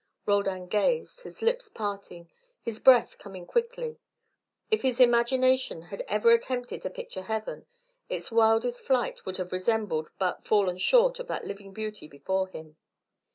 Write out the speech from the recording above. Roldan gazed, his lips parting, his breath coming quickly. If his imagination had ever attempted to picture heaven, its wildest flight would have resembled but fallen short of that living beauty before him.